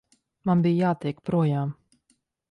Man bija jātiek projām.